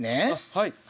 はい。